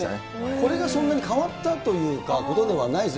これがそんなに変わったっていうことではないです。